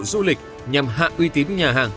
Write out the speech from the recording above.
du lịch nhằm hạ uy tín nhà hàng